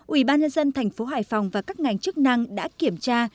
ủy ban nhân dân tp hải phòng và các ngành chức năng đã kiểm tra